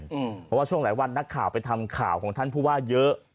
เพราะว่าช่วงหลายวันนักข่าวไปทำข่าวของท่านผู้ว่าเยอะ